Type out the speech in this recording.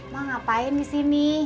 mak ngapain di sini